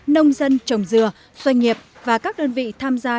nông dân trồng dừa xoay nghiệp và các đơn vị tham gia